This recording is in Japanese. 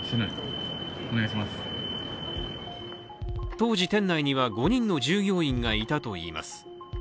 当時、店内には５人の従業員がいたといいます。